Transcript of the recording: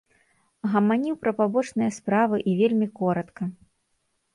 Гаманіў пра пабочныя справы і вельмі коратка.